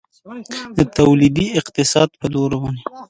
د تولیدي اقتصاد په لور روان یو؟